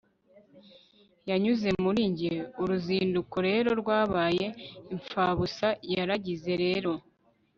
yanyuze muri njye. uruzinduko rero rwabaye impfabusa. yaragize rero